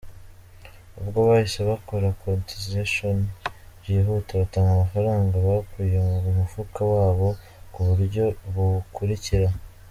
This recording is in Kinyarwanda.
Ubwo bahise bakora cotisation byihuta batanga amafranga bakuye ku mufuka wabo ku buryo bukurikira :